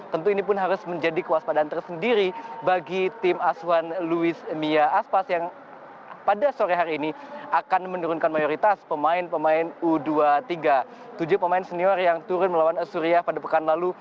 tentu ini pun harus menjadi kewaspadaan tersendiri bagi tim asia